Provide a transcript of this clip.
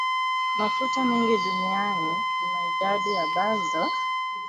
mafuta mengi duniani kuna idadi ambazo